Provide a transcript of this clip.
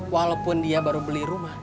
walaupun dia baru beli rumah